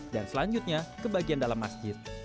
dan selanjutnya ke bagian dalam masjid